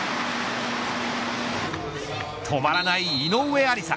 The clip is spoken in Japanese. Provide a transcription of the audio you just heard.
止まらない井上愛里沙。